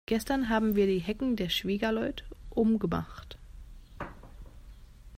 Gestern haben wir die Hecken der Schwiegerleut um gemacht.